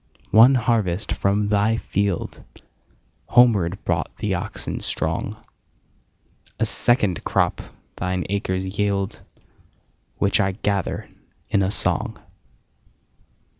One harvest from thy fieldHomeward brought the oxen strong;A second crop thine acres yield, Which I gather in a song.